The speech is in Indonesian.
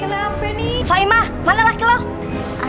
udah pengen bikin gara terbatas